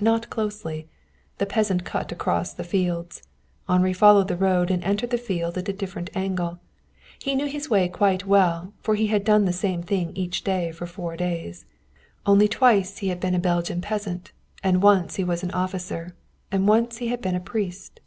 Not closely. The peasant cut across the fields. Henri followed the road and entered the fields at a different angle. He knew his way quite well, for he had done the same thing each day for four days. Only twice he had been a Belgian peasant, and once he was an officer, and once he had been a priest.